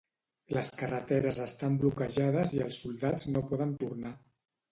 Les carreteres estan bloquejades i els soldats no poden tornar.